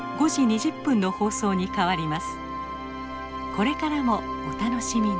これからもお楽しみに。